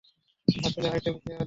আসলে আইটেম কে, আদি?